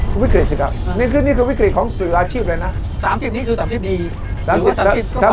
คุณวิกฤตสิครับนี่คือนี่คือวิกฤตของสื่ออาชีพเลยนะ๓๐นี้คือ๓๐ดี